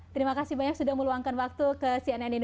terima kasih banyak sudah meluangkan waktu ke cnn indonesia